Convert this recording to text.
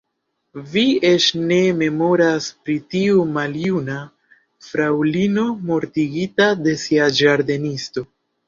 Vi eĉ ne memoras pri tiu maljuna fraŭlino mortigita de sia ĝardenisto.